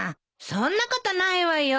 そんなことないわよ。